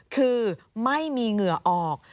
คือไม่มีเหงื่อออก